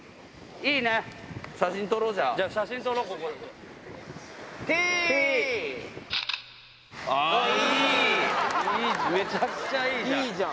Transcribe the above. いいじゃん。